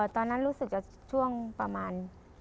ตอนนั้นรู้สึกจะช่วงประมาณ